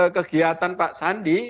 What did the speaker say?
kegiatan pak sandi